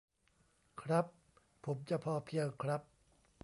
ครับ ผมจะพอเพียงครับ